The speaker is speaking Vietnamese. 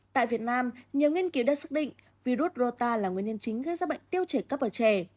tại việt nam nhiều nghiên cứu đã xác định virus rota là nguyên nhân chính gây ra bệnh tiêu chảy cấp ở trẻ